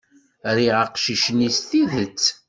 Riɣ aqcic-nni s tidet.